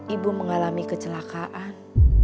ibu mengalami kecelakaan